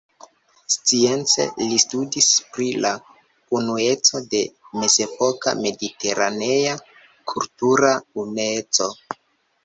Science li studis pri la unueco de mezepoka mediteranea kultura unueco.